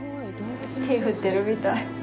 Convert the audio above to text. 手、振ってるみたい。